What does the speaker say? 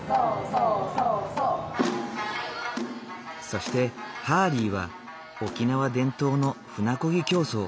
そしてハーリーは沖縄伝統の舟こぎ競争